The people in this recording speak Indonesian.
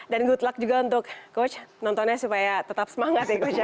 dan good luck juga untuk coach nontonnya supaya tetap semangat ya coach ya